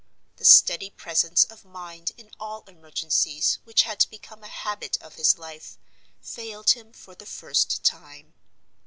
The steady presence of mind in all emergencies which had become a habit of his life, failed him for the first time.